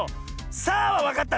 「さあ！」はわかったんだ。